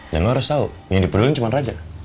dan lo harus tau yang dipedulin cuman raja